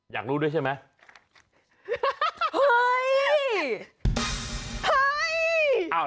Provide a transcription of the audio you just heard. อยากรู้ด้วยใช่ไหม